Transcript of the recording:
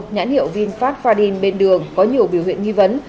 nhãn hiệu vinfast fadin bên đường có nhiều biểu hiện nghi vấn